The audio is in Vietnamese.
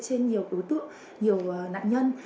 trên nhiều đối tượng nhiều nạn nhân